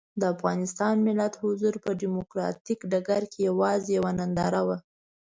د افغانستان ملت حضور په ډیموکراتیک ډګر کې یوازې یوه ننداره وه.